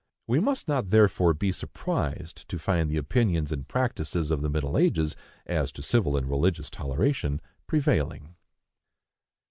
We must not therefore be surprised to find the opinions and practices of the middle ages, as to civil and religious toleration, prevailing.